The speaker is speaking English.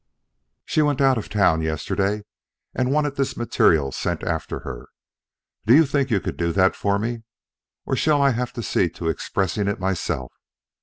"She went out of town yesterday, and wanted this material sent after her. Do you think you could do that for me, or shall I have to see to expressing it myself?